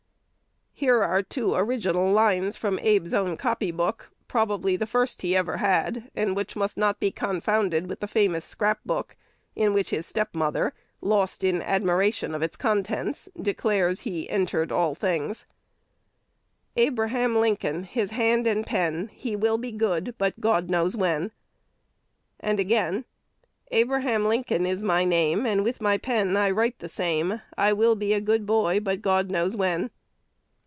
'" Here are two original lines from Abe's own copy book, probably the first he ever had, and which must not be confounded with the famous scrap book in which his step mother, lost in admiration of its contents, declares he "entered all things:" "Abraham Lincoln, his hand and pen: He will be good, but God knows when." Again, "Abraham Lincoln is my name, And with my pen I write the same: I will be a good boy, but God knows when."